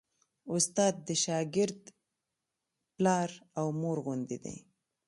استاد د شاګرد پلار او مور غوندې دی.